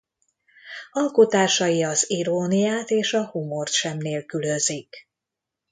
Alkotásai az iróniát és a humort sem nélkülözik.